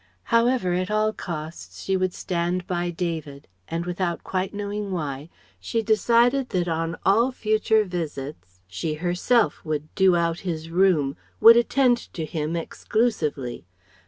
However, at all costs, she would stand by David ... and without quite knowing why, she decided that on all future visits she herself would "do out" his room, would attend to him exclusively.